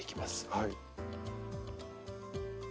はい。